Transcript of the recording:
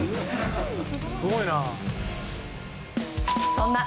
すごいな。